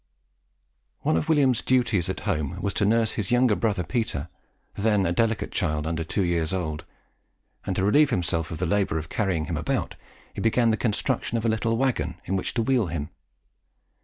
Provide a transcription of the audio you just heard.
One of William's duties at home was to nurse his younger brother Peter, then a delicate child under two years old; and to relieve himself of the labour of carrying him about, he began the construction of a little waggon in which to wheel him.